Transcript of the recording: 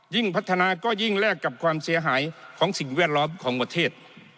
พัฒนาก็ยิ่งแลกกับความเสียหายของสิ่งแวดล้อมของประเทศ